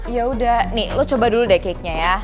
yaudah nih lo coba dulu deh cakenya ya